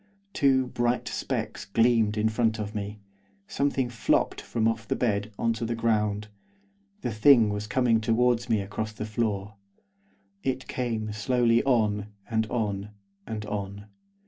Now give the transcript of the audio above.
Two bright specks gleamed in front of me; something flopped from off the bed on to the ground; the thing was coming towards me across the floor. It came slowly on, and on, and on.